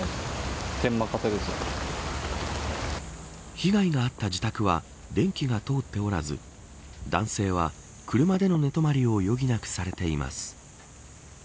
被害が遭った自宅は電気が通っておらず男性は車での寝泊まりを余儀なくされています。